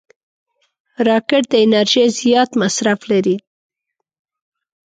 راکټ د انرژۍ زیات مصرف لري